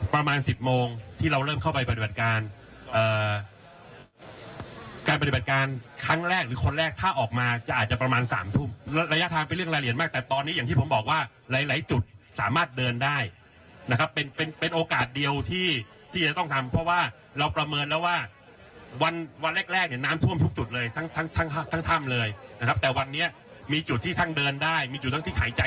ประมาณสิบโมงที่เราเริ่มเข้าไปปฏิบัติการเอ่อการปฏิบัติการครั้งแรกหรือคนแรกถ้าออกมาจะอาจจะประมาณสามทุ่มระยะทางเป็นเรื่องรายละเอียดมากแต่ตอนนี้อย่างที่ผมบอกว่าหลายหลายจุดสามารถเดินได้นะครับเป็นเป็นเป็นโอกาสเดียวที่ที่จะต้องทำเพราะว่าเราประเมินแล้วว่าวันวันแรกแรกเนี่ยน้ำท่วมทุกจุ